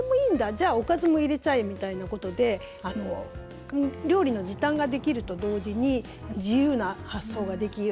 じゃあ、おかずも入れちゃえみたいなことで料理の時短ができると同時に自由な発想ができる。